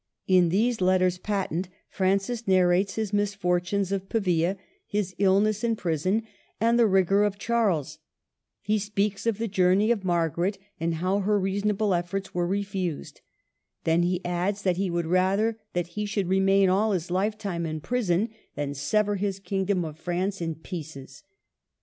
In these letters patent Francis nar rates his misfortunes of Pavia, his illness in prison, and the rigor of Charles ; he speaks of the journey of Margaret, and how all her reason able efforts were refused ; then he adds that he would rather that he should remain all his lifetime in prison than sever his kingdom of France in pieces.